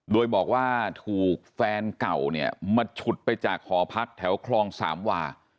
โดยบอกว่าถูกแฟนเก่าเนี่ยมาฉุดไปจากหอพักแถวคลองสามวา